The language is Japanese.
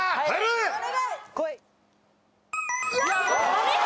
お見事！